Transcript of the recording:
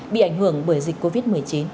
bị ảnh hưởng bởi dịch covid một mươi chín